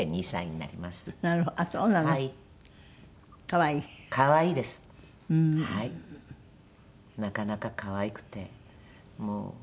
なかなか可愛くてもう。